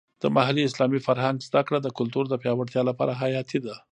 د محلي اسلامي فرهنګ زده کړه د کلتور د پیاوړتیا لپاره حیاتي ده.